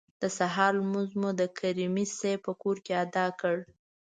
د سهار لمونځ مو د کریمي صیب په کور کې ادا کړ.